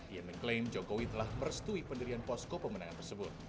ia mengklaim jokowi telah merestui pendirian posko pemenangan tersebut